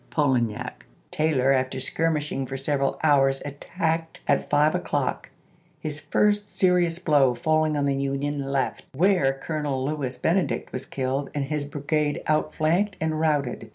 Polignac. Taylor after skirmishing for sev eral hours attacked at five o'clock, his first serious blow falling on the Union left, where Colonel Lewis Benedict was killed and his brigade out flanked and routed.